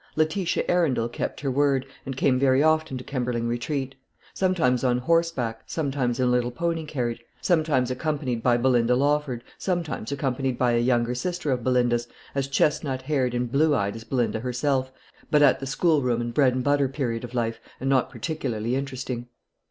Letitia Arundel kept her word, and came very often to Kemberling Retreat; sometimes on horseback, sometimes in a little pony carriage; sometimes accompanied by Belinda Lawford, sometimes accompanied by a younger sister of Belinda's, as chestnut haired and blue eyed as Belinda herself, but at the school room and bread and butter period of life, and not particularly interesting.